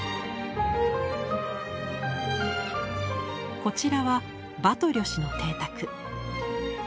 こちらはバトリョ氏の邸宅。